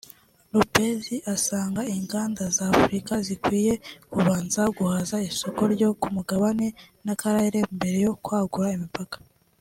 Lopes asanga inganda za Afurika zikwiye kubanza guhaza isoko ryo ku mugabane n’akarere mbere yo kwagura imipaka